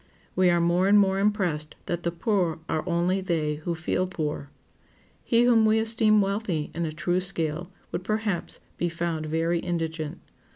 We are more and more impressed that the poor are only they who feel poor. He whom we esteem wealthy in a true scale would perhaps be found very indigent.